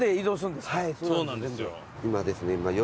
そうなんですよ。